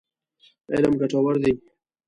علم ګټور دی.